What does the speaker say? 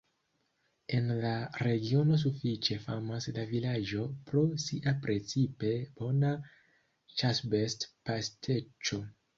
En la regiono sufiĉe famas la vilaĝo pro sia precipe bona ĉasbest-pasteĉo.